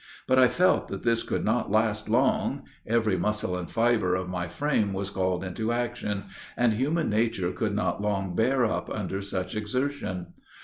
But I felt that this could not last long; every muscle and fiber of my frame was called into action, and human nature could not long bear up under such exertion.